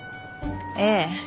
ええ。